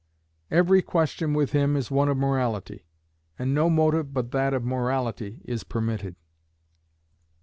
Every question with him is one of morality, and no motive but that of morality is permitted.